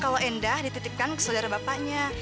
kalau endah dititipkan ke saudara bapaknya